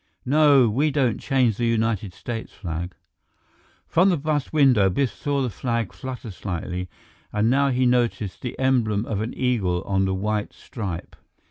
"No, we don't change the United States flag." From the bus window, Biff saw the flag flutter slightly, and now he noticed the emblem of an eagle on the white stripe.